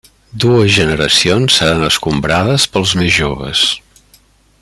Dues generacions seran escombrades pels més joves.